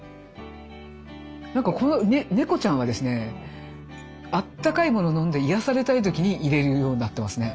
なんかこの猫ちゃんはですねあったかいもの飲んで癒やされたい時に入れるようになってますね。